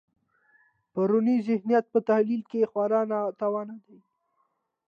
پرونی ذهنیت په تحلیل کې خورا ناتوانه دی.